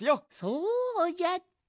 そうじゃった。